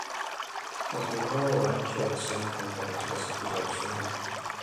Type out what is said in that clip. Wakuu hao wa nchi wamesema kwamba katika siku za usoni,